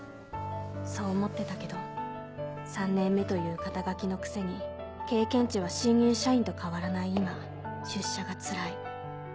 そう思ってたけど３年目という肩書のくせに経験値は新入社員と変わらない今出社がつらい